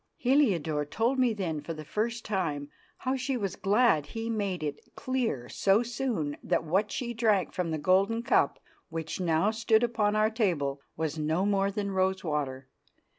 Heliodore told me then for the first time how she was glad he had made it clear so soon that what she drank from the gold cup which now stood upon our table was no more than rose water.